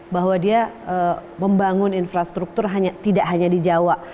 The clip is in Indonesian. bahwa dia membangun infrastruktur tidak hanya di jawa